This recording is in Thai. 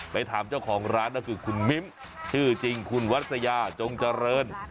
ไปถามเจ้าของร้านก็คือคุณมิ้มชื่อจริงคุณวัสยาจงเจริญ